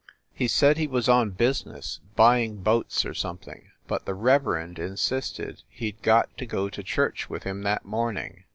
He said he was on business, buying boats or something, but the Reverend insisted he d got to go to church with him that morning.